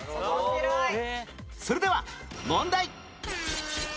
それでは問題